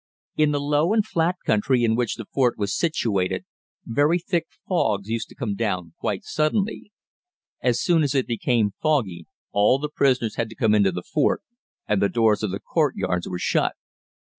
In the low and flat country in which the fort was situated very thick fogs used to come down quite suddenly. As soon as it became foggy all the prisoners had to come into the fort and the doors of the courtyards were shut.